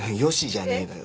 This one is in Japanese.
じゃねえのよ。